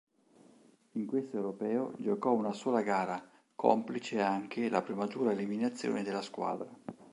In questo Europeo giocò una sola gara, complice anche la prematura eliminazione della squadra.